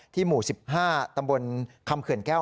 หมู่๑๕ตำบลคำเขื่อนแก้ว